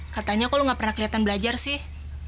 katanya kok lu gak pernah keliatan belajar sih